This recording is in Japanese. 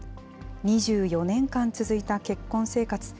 ２４年間続いた結婚生活。